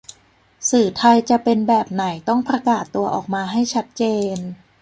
สื่อไทยจะเป็นแบบไหนต้องประกาศตัวออกมาให้ชัดเจน